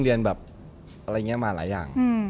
เรียนแบบอะไรเงี้ยมาหลายอย่าง